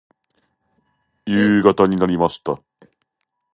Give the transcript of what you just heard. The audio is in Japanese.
夕方になりました。